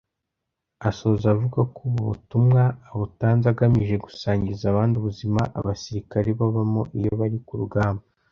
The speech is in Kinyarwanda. Asoza avuga ko ubu butumwa abutanze agamije gusangiza abandi ubuzima abasirikare babamo iyo bari ku rugamba